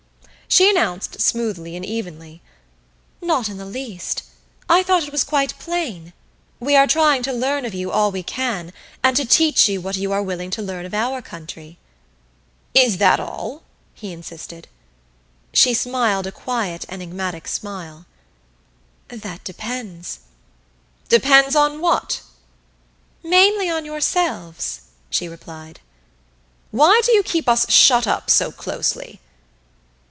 She announced smoothly and evenly: "Not in the least. I thought it was quite plain. We are trying to learn of you all we can, and to teach you what you are willing to learn of our country." "Is that all?" he insisted. She smiled a quiet enigmatic smile. "That depends." "Depends on what?" "Mainly on yourselves," she replied. "Why do you keep us shut up so closely?"